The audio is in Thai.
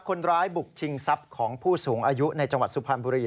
คนร้ายบุกชิงทรัพย์ของผู้สูงอายุในจังหวัดสุพรรณบุรี